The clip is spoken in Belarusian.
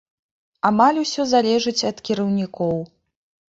Амаль усё залежыць ад кіраўнікоў.